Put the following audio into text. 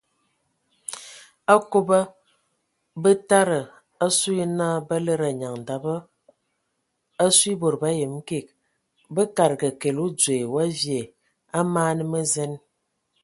Okoba bətada asu yə na ba lədə anyaŋ daba asue e bod ba yəm kig bə kadəga kəle odzoe wa vie a man mə zen.